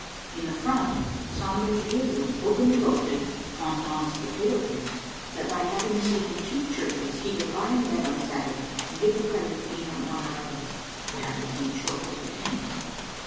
In the front Sanders Gil ruth openly boasted (on Don's potato pit) that by hav ing a seat in two churches he could lie in bed on Sabbath and get the credit of being at one or other. (Gavin made short work of him.)